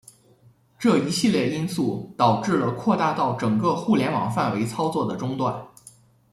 这一系列因素导致了扩大到整个互联网范围操作的中断。